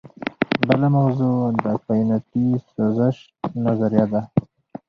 بله موضوع د کائناتي سازش نظریه ده.